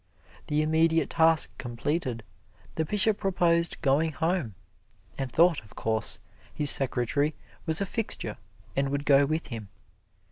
The immediate task completed, the Bishop proposed going home, and thought, of course, his secretary was a fixture and would go with him.